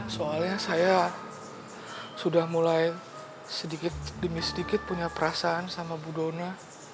soalnya saya sudah mulai sedikit demi sedikit punya perasaan sama bu dona